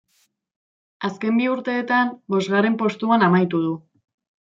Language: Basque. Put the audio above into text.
Azken bi urteetan bosgarren postuan amaitu du.